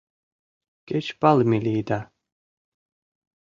— Кеч палыме лийыда...